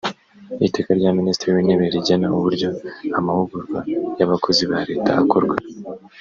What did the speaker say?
iteka rya minisitiri w intebe rigena uburyo amahugurwa y abakozi ba leta akorwa